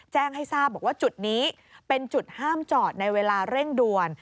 แจ้งให้ทราบบอกว่าจุดนี้เป็นจุดห้ามจอดในเวลาเร่งด่วน